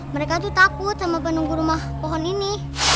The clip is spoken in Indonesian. mereka tuh takut sama penunggu rumah pohon ini